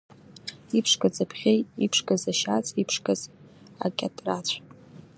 Иԥшқаз абӷьы, иԥшқаз ашьац, иԥшқаз акьатрацә.